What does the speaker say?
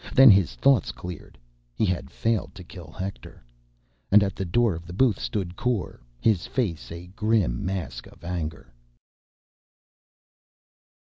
Then his thoughts cleared. He had failed to kill Hector. And at the door of the booth stood Kor, his face a grim mask of anger.